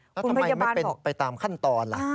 แล้วทำไมไม่เป็นไปตามขั้นตอนล่ะ